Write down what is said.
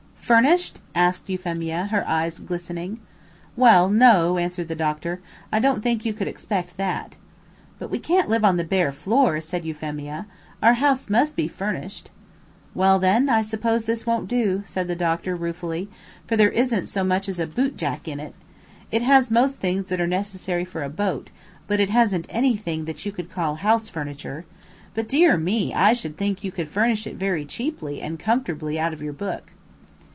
"Furnished?" asked Euphemia, her eyes glistening. "Well, no," answered the doctor, "I don't think you could expect that." "But we can't live on the bare floor," said Euphemia; "our house MUST be furnished." "Well, then, I suppose this won't do," said the doctor, ruefully, "for there isn't so much as a boot jack in it. It has most things that are necessary for a boat, but it hasn't anything that you could call house furniture; but, dear me, I should think you could furnish it very cheaply and comfortably out of your book."